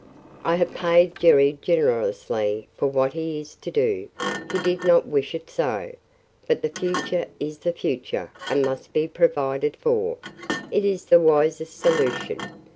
"'I have paid Jerry generously for what he is to do. He did not wish it so, but the future is the future and must be provided for. It is the wisest solution.